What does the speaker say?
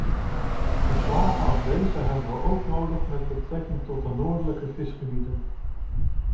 Verslagen als deze hebben we ook nodig met betrekking tot de noordelijke visgebieden.